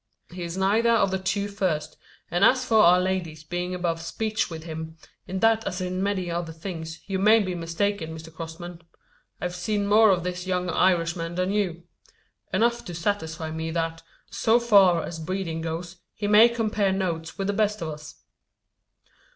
He is neither of the two first; and as for our ladies being above speech with him, in that as in many other things, you may be mistaken, Mr Crossman. I've seen more of this young Irishman than you enough to satisfy me that, so far as breeding goes, he may compare notes with the best of us.